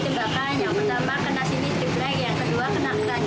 terus kejadiannya tiga kali tembakan yang pertama kena sini yang kedua kena kanan